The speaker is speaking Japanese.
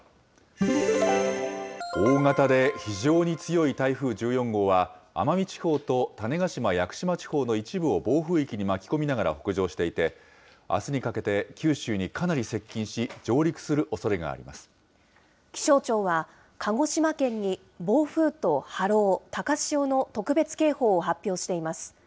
大型で非常に強い台風１４号は、奄美地方と種子島・屋久島地方の一部を暴風域に巻き込みながら北上していて、あすにかけて九州にかなり接近し、上陸するおそれが気象庁は、鹿児島県に暴風と波浪、高潮の特別警報を発表しています。